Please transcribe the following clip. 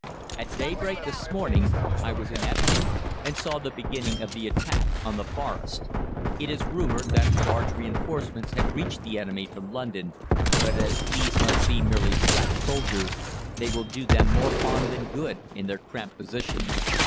"At daybreak this morning I was in Epping and saw the beginning of the attack on the Forest. It is rumoured that large reinforcements have reached the enemy from London, but as these must be merely scratch soldiers they will do them more harm than good in their cramped position.